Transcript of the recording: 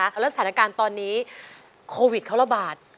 แล้วสถานการณ์ตอนนี้โควิดเขาระบาด